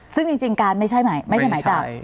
ซึ่งจริงการไม่ใช่หมายจับ